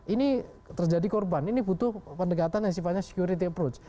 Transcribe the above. ini terjadi korban ini butuh penegakannya sifatnya security approach